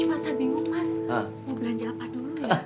cuma saya bingung mas mau belanja apa dulu ya